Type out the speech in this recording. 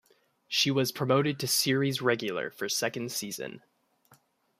She was promoted to series regular for second season.